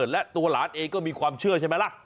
และตัวหลานเองก็มีความเชื่อใช่ไหมล่ะ